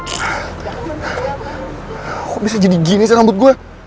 kok bisa jadi gini sih rambut gue